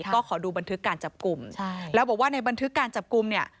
ก็ขอดูบันทึกการจับกลุ่มใช่แล้วบอกว่าในบันทึกการจับกลุ่มเนี่ย